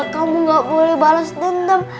kamu gak boleh bales dendam